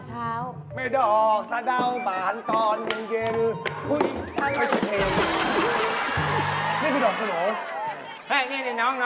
เออใช่เขาเรียกดอกอัญชันปลูกไว้มีเงินมีท้อง